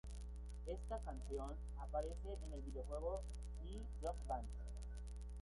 Esta canción aparece en el videojuego y Rock Band.